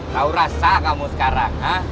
kau rasa kamu sekarang